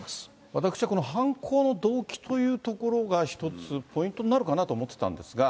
私はこの犯行の動機というところが一つ、ポイントになるかなと思ってたんですが。